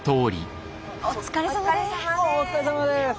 お疲れさまです。